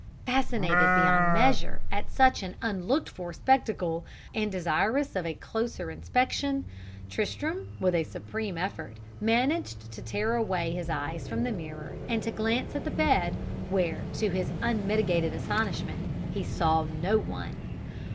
"Fascinated beyond measure at such an unlooked for spectacle, and desirous of a closer inspection, Tristram, with a supreme effort, managed to tear away his eyes from the mirror and to glance at the bed, where, to his unmitigated astonishment, he saw no one.